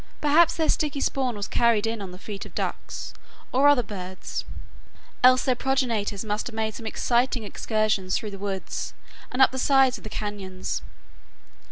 Perhaps their sticky spawn was carried in on the feet of ducks or other birds, else their progenitors must have made some exciting excursions through the woods and up the sides of the cañons.